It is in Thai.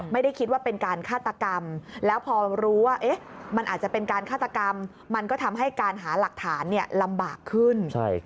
ไม่ได้คิดว่าเป็นการฆาตกรรมแล้วพอรู้ว่ามันอาจจะเป็นการฆาตกรรมมันก็ทำให้การหาหลักฐานลำบากขึ้น